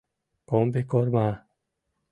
Комбикорма!